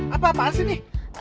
apa apaan sih ini